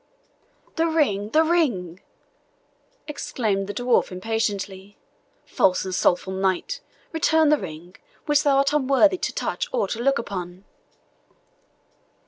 "The ring! the ring!" exclaimed the dwarf impatiently; "false and slothful knight, return the ring, which thou art unworthy to touch or to look upon."